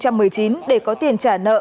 năm hai nghìn một mươi chín để có tiền trả nợ